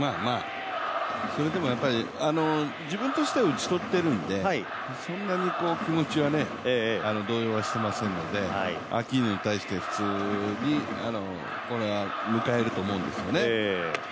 それでもやっぱり自分としては打ち取っているんでそんなに気持ちは動揺していませんので、アキーノに対して普通に迎えると思うんですよね。